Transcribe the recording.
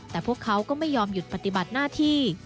แต่พวกเขาก็ไม่ยอมหยุดปฏิบัติหน้าที่